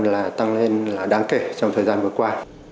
là tăng lên là đáng kể trong thời gian vừa qua